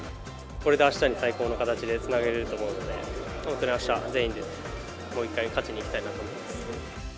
これであしたに最高の形でつなげられると思うので、本当にあした、全員でもう一回、勝ちにいきたいと思います。